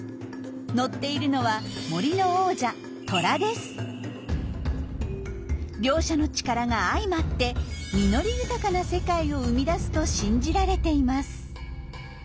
乗っているのは両者の力が相まって実り豊かな世界を生み出すと信じられています。